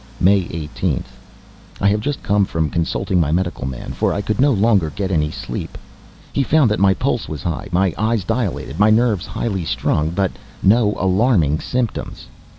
May 18th. I have just come from consulting my medical man, for I could no longer get any sleep. He found that my pulse was high, my eyes dilated, my nerves highly strung, but no alarming symptoms.